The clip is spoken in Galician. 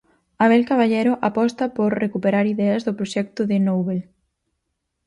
Abel Caballero aposta por recuperar ideas do proxecto de Nouvel.